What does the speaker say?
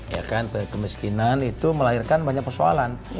ya kan kemiskinan itu melahirkan banyak persoalan